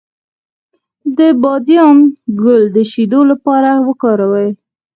د بادیان ګل د شیدو لپاره وکاروئ